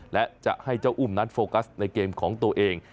และจะให้เจ้าอุ้มนั้นโฟกัสในเกมของตัวเอง